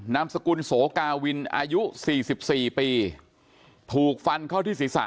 นามสกุลโสกาวินอายุสี่สิบสี่ปีถูกฟันเข้าที่ศิษฐะ